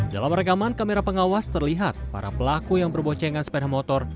dalam rekaman kamera pengawas terlihat para pelaku yang berboncengan sepeda motor